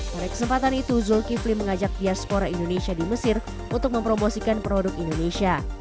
pada kesempatan itu zulkifli mengajak diaspora indonesia di mesir untuk mempromosikan produk indonesia